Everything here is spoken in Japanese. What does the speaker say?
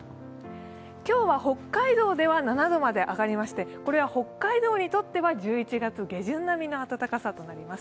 今日は北海道では７度まで上がりまして、これは北海道にとっては１１月下旬並みの暖かさとなります。